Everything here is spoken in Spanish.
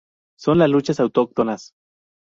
Son las luchas autóctonas.